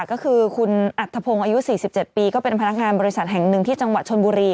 ก็คือคุณอัธพงศ์อายุ๔๗ปีก็เป็นพนักงานบริษัทแห่งหนึ่งที่จังหวัดชนบุรี